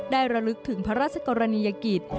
ระลึกถึงพระราชกรณียกิจ